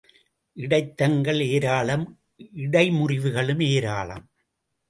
இடைத்தங்கல் ஏராளம் இடைமுறிவுகளும் ஏராளம்!